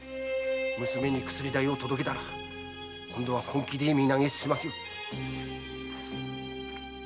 娘に薬代を届けたら今度は本気で身投げしますよ。